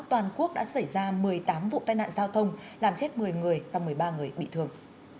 toàn quốc đã xảy ra một mươi tám vụ tai nạn giao thông làm chết một mươi người và một mươi ba người bị thương